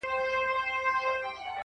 o همدا اوس وايم درته.